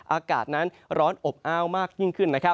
อากาศนั้นร้อนอบอ้าวมากยิ่งขึ้น